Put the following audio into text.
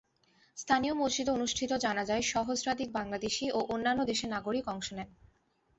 স্থানীয় মসজিদে অনুষ্ঠিত জানাজায় সহস্রাধিক বাংলাদেশি ও অন্যান্য দেশের নাগরিক অংশ নেন।